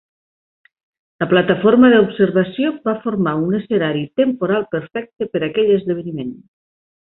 La plataforma d"observació va formar un escenari temporal perfecte per aquell esdeveniment.